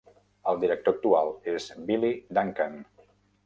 El director actual és Billy Duncan.